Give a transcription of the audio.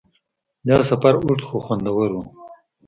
دا سفر اوږد خو خوندور و.